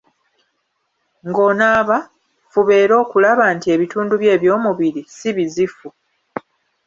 Ng'onaaba, fuba era okulaba nti ebitundu byo eby'omubiri si bizifu.